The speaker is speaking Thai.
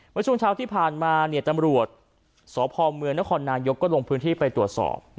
เมื่อช่วงเช้าที่ผ่านมาเนี่ยตำรวจสพเมืองนครนายกก็ลงพื้นที่ไปตรวจสอบ